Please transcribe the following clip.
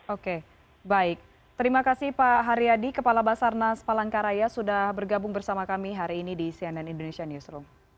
oke baik terima kasih pak haryadi kepala basarnas palangkaraya sudah bergabung bersama kami hari ini di cnn indonesia newsroom